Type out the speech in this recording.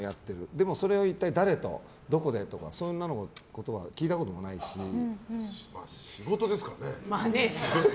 でも、それを一体誰とどこでとか仕事ですからね。